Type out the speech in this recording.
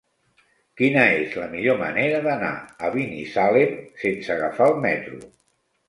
Quina és la millor manera d'anar a Binissalem sense agafar el metro?